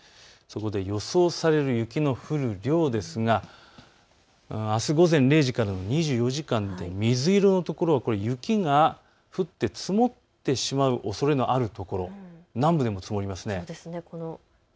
予想される雪の降る量ですがあす午前０時からの２４時間で、水色の所は雪が降って積もってしまうおそれのあるところ、南部でも積もりますね。